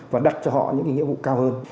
và đặt cho họ những nghĩa vụ cao hơn